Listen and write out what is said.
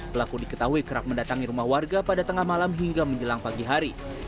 pelaku diketahui kerap mendatangi rumah warga pada tengah malam hingga menjelang pagi hari